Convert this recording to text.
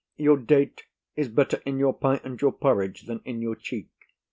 Your date is better in your pie and your porridge than in your cheek.